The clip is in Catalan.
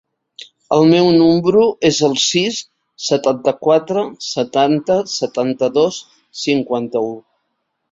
El meu número es el sis, setanta-quatre, setanta, setanta-dos, cinquanta-u.